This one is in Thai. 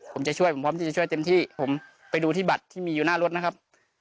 ผมจะช่วยผมพร้อมที่จะช่วยเต็มที่ผมไปดูที่บัตรที่มีอยู่หน้ารถนะครับ